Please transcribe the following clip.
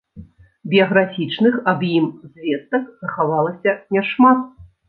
Біяграфічных аб ім звестак захавалася няшмат.